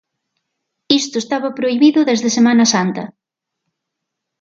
Isto estaba prohibido desde Semana Santa.